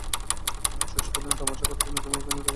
শশী বলিল, তামাশা করার জন্যে তোমায় এখানে ডাকিনি বৌ।